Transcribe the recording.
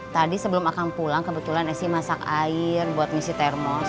tadi sebelum akan pulang kebetulan essi masak air buat ngisi termos